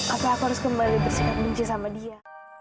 aku harus kembali bersikap benci sama dia